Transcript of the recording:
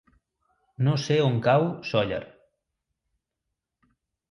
No sé on cau Sóller.